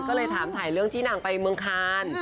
ก็เลยถามถ่ายเรื่องที่นางไปเมืองคาน